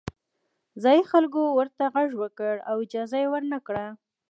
ځايي خلکو ورته غږ وکړ او اجازه یې ورنه کړه.